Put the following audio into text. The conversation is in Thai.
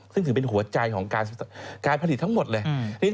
ซึ่งถือเป็นหัวใจของการผลิตทั้งหมดเลย